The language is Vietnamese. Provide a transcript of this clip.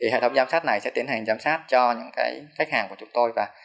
hệ thống giám sát này sẽ tiến hành giám sát cho những khách hàng của chúng tôi